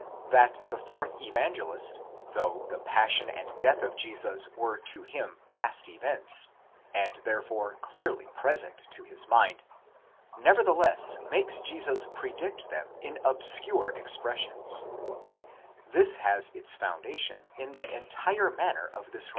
That the fourth Evangelist, though the passion and death of Jesus were to him past events, and therefore clearly pre sent to his mind, nevertheless makes Jesus predict them in obscure expres sions,—this has its foundation in the entire manner of this writer, whose fond 9 Vid.